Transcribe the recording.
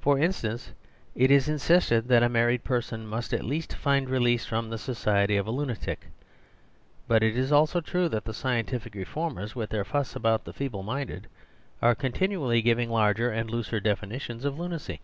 For instance, it is insisted that a married person must at least find release from the society of a lunatic ; but it is also true that the scientific reformers, with their fuss about "the feeble minded," are con tinually giving larger and looser definitions of lunacy.